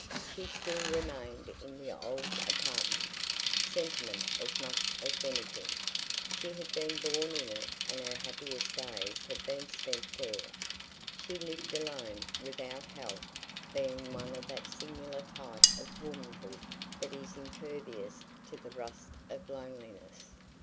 She still remained in the old apartment; sentiment as much as anything. She had been born in it and her happiest days had been spent there. She lived alone, without help, being one of that singular type of womanhood that is impervious to the rust of loneliness.